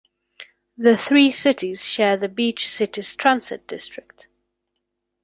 The three cities share the Beach Cities Transit district.